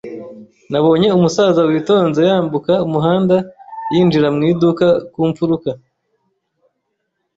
Nabonye umusaza witonze yambuka umuhanda yinjira mu iduka ku mfuruka